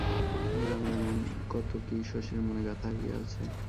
গ্রামের এমন কত কী শশীর মনে গাথা হইয়া আছে।